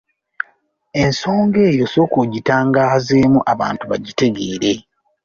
Ensonga eyo sooka ogitangaazeemu abantu bagitegeere.